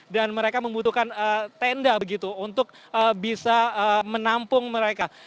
dan mereka membutuhkan tenda begitu untuk bisa menampung mereka